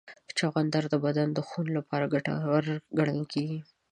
چغندر د بدن د خون لپاره ګټور ګڼل کېږي.